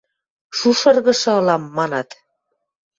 Шушыргышы ылам, манат.